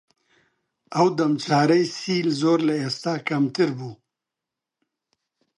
ئەو دەم چارەی سیل زۆر لە ئێستا کەمتر بوو